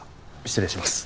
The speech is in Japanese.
失礼します。